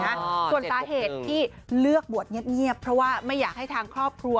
แต่ศาสตร์เหตุที่เลือกบวชเงียบเพราะว่าไม่อยากให้ทางครอบครัว